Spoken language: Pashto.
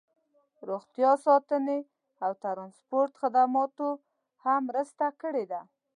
روغتیا ساتنې او ټرانسپورټ خدماتو هم مرسته کړې ده